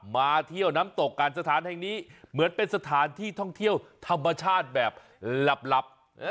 มาเที่ยวน้ำตกกันสถานแห่งนี้เหมือนเป็นสถานที่ท่องเที่ยวธรรมชาติแบบหลับ